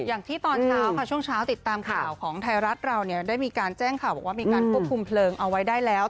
ตอนเช้าค่ะช่วงเช้าติดตามข่าวของไทยรัฐเราเนี่ยได้มีการแจ้งข่าวบอกว่ามีการควบคุมเพลิงเอาไว้ได้แล้ว